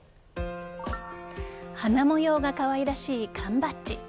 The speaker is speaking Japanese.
花模様がかわいらしい缶バッジ。